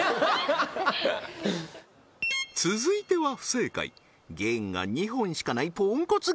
はっ続いては不正解弦が２本しかないポンコツ